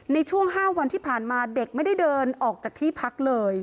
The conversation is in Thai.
ในช่วง๕วันที่ผ่านมาเด็กไม่ได้เดินออกจากที่พักเลย